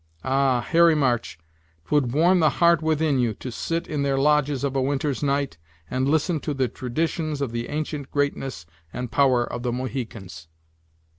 Ah! Harry March, 'twould warm the heart within you to sit in their lodges of a winter's night, and listen to the traditions of the ancient greatness and power of the Mohicans!"